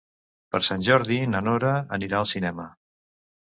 Per Sant Jordi na Nora anirà al cinema.